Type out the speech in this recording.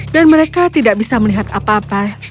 dan mereka tidak bisa melihat apa apa